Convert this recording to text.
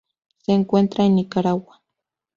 Se encuentra en Nicaragua.